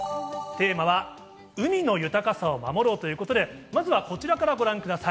テーマは海の豊かさを守ろうということで、まずはこちらからご覧ください。